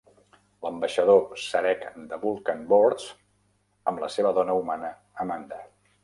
L"ambaixador Sarek de Vulcan Boards amb la seva dona humana Amanda.